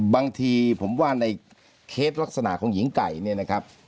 บางทีผมว่าในเคสลักษณะของหญิงไก่เนี่ยนะครับ